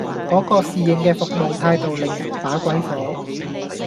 嗰個侍應嘅服務態度令人把鬼火